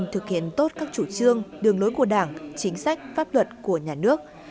thực hiện tốt các chủ trương đường lối của đảng chính sách pháp luật của nhà nước